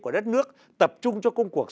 của đất nước tập trung cho công cuộc